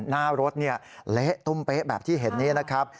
หน้ารถเละตุ้มเป๊ะแบบที่เห็นนี้นะครับ